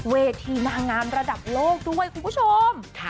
เวทีนางงามระดับโลกด้วยคุณผู้ชม